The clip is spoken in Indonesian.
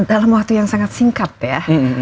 dalam waktu yang sangat singkat ya